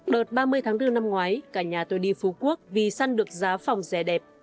đợt ba mươi tháng bốn năm ngoái cả nhà tôi đi phú quốc vì săn được giá phòng rẻ đẹp